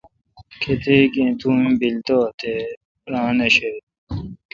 کتیک ایں تو ام بیل تہ تو ران آݭہ۔